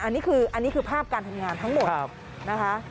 อันนี้คือภาพการทำงานทั้งหมดนะคะ